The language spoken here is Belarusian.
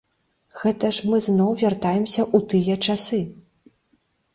Гэта ж мы зноў вяртаемся ў тыя часы!